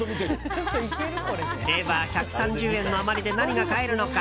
では、１３０円の余りで何が買えるのか。